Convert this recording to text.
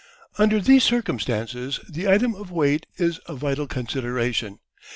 Under these circumstances the item of weight is a vital consideration.